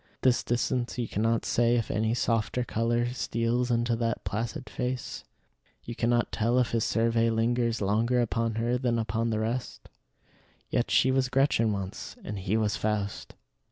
At this distance you cannot say if any softer color steals into that placid face; you cannot tell if his survey lingers longer upon her than upon the rest. Yet she was Gretchen once, and he was Faust.